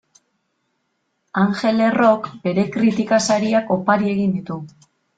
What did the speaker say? Angel Errok bere kritika sariak opari egin ditu.